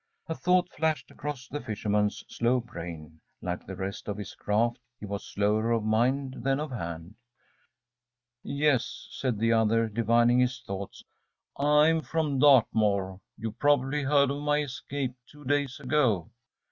A thought flashed across the fisherman's slow brain. Like the rest of his craft, he was slower of mind than of hand. ‚ÄúYes,‚ÄĚ said the other, divining his thoughts, “I'm from Dartmoor. You probably heard of my escape two days ago.